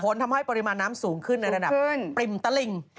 ทำให้ปริมาณน้ำสูงขึ้นในระดับปริมตลิ่ง